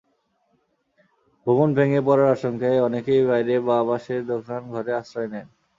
ভবন ভেঙে পড়ার আশঙ্কায় অনেকেই বাইরে বাঁ পাশের দোকান ঘরে আশ্রয় নেন।